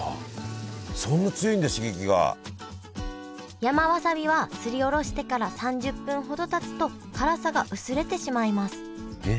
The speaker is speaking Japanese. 山わさびはすりおろしてから３０分ほどたつと辛さが薄れてしまいますえっ！？